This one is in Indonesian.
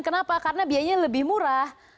kenapa karena biayanya lebih murah